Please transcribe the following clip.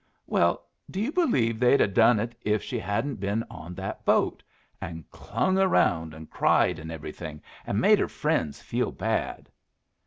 "Well, do you believe they'd 'a' done it if she hadn't been on that boat, and clung around an' cried an' everything, an' made her friends feel bad?"